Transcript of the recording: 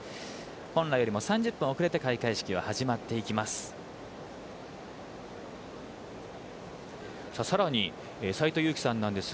本来よりも３０分おくれて開会式は始まります。